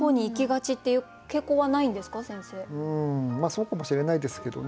そうかもしれないですけどね。